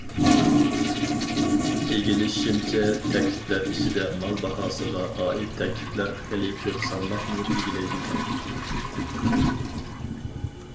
ئىگىلىشىمچە، تەكلىپلەر ئىچىدە مال باھاسىغا ئائىت تەكلىپلەر خېلى كۆپ سالماقنى ئىگىلەيدىكەن.